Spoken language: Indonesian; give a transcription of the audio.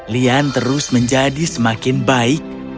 lian terus menjadi semakin baik